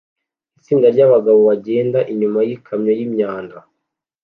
Itsinda ryabagabo bagenda inyuma yikamyo yimyanda